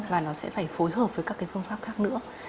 và nó sẽ phải phối hợp với các cái phương pháp khác nữa